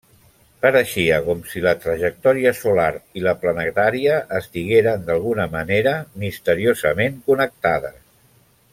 Pareixia com si la trajectòria solar i la planetària estigueren d'alguna manera misteriosament connectades.